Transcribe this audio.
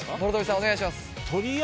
お願いします。